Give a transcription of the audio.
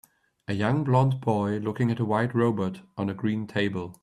A young blond boy looking at a white robot on a green table.